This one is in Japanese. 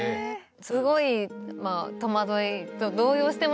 すごい戸惑いと動揺してました。